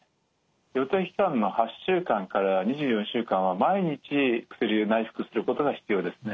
予定期間の８週間から２４週間は毎日薬を内服することが必要ですね。